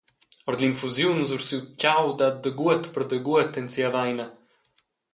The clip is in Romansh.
Ord l’infusiun sur siu tgau dat daguot per daguot en sia aveina.